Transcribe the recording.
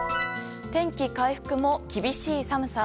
天気回復も厳しい寒さ。